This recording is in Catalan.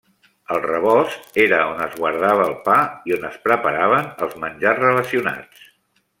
El rebost era on es guardava el pa i on es preparaven els menjars relacionats.